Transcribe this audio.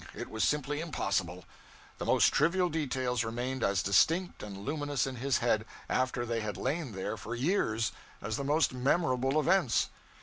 It was simply impossible. The most trivial details remained as distinct and luminous in his head, after they had lain there for years, as the most memorable events.